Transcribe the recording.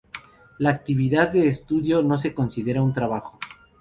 La actividad de estudio no se considera un trabajo.